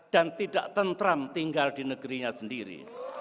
dan tidak tentram tinggal di negerinya sendiri